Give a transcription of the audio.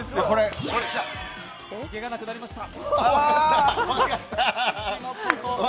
毛がなくなりました。